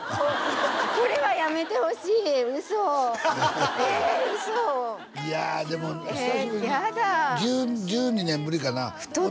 これはやめてほしい嘘え嘘いやでも久しぶりに１２年ぶりかな？